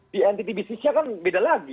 di ntt business nya kan beda lagi